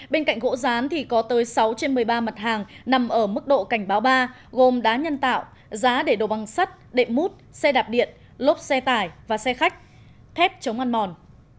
bên cạnh gỗ rán thì có tới sáu trên một mươi ba mặt hàng nằm ở mức độ cảnh báo ba gồm đá nhân tạo giá để đồ băng sắt đệm mút xe đạp điện lốp xe tải và xe khách thép chống ăn mòn